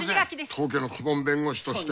当家の顧問弁護士として。